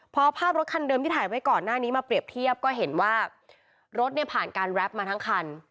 พอภาพรถคันเดิมที่ถ่ายไว้ก่อนหน้านี้มาเปรียบเทียบก็เห็นว่ารถเนี่ยผ่านการแรปมาทั้งคัน